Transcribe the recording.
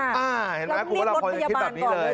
อ่าเห็นไหมผมก็พอจะคิดแบบนี้เลยค่ะอ่าแล้วนี่รถพยาบาลก่อนเลย